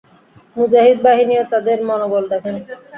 মুজাহিদ বাহিনীও তাদের মনোবল দেখেন।